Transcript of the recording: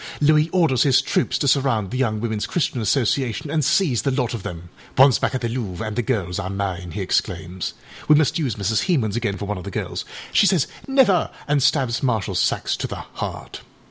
âLouis orders his troops to surround the Young Womenâs Christian Association and seize the lot of them. âOnce back at the Louvre and the girls are mine,â he exclaims. We must use Mrs. Hemans again for one of the girls; she says âNever,â and stabs Marshal Saxe to the heart.